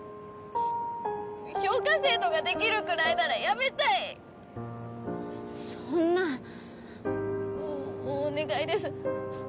評価制度ができるくらいなら辞めたいそんなお願いです